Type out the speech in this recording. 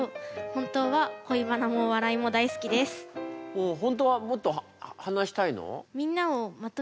えっと本当はもっと話したいの？